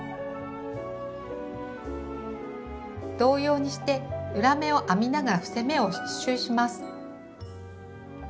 同様にして裏目を編みながら伏せ目を１周します。